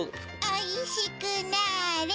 おいしくなれ！